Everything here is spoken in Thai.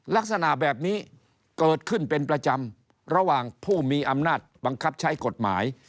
ลักษณะแบบนี้เกิดขึ้นเป็นประจำระหว่างผู้มีอำนาจบังคับใช้กฎหมาย